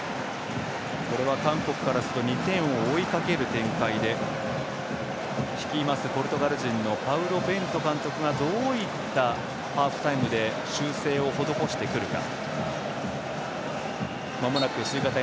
韓国からすると２点を追いかける展開で率いますポルトガル人のパウロ・ベント監督がどういったハーフタイムで修正を施してくるか。